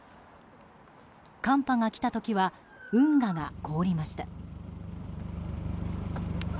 寒波が来た時は運河が凍りました。